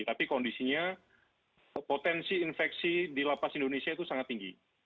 tapi kondisinya potensi infeksi di lapas indonesia itu sangat tinggi